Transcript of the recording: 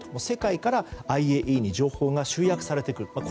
世界からＩＡＥＡに情報が集約されてくる。